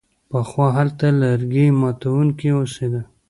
پخوا هلته یو لرګي ماتوونکی اوسیده.